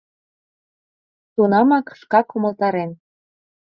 Тунамак шкак умылтарен.